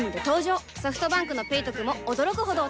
ソフトバンクの「ペイトク」も驚くほどおトク